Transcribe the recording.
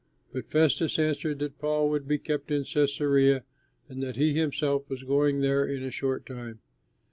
But Festus answered that Paul would be kept in Cæsarea and that he himself was going there in a short time.